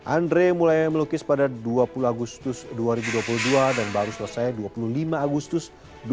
andre mulai melukis pada dua puluh agustus dua ribu dua puluh dua dan baru selesai dua puluh lima agustus dua ribu dua puluh